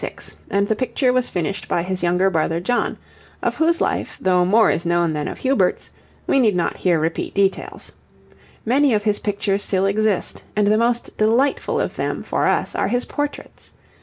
] Hubert van Eyck died in 1426, and the picture was finished by his younger brother John, of whose life, though more is known than of Hubert's, we need not here repeat details. Many of his pictures still exist, and the most delightful of them for us are his portraits.